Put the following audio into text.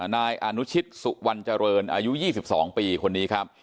นายอนุชิตสุวรรณเจริญอายุ๒๒ปีคนนี้ครับ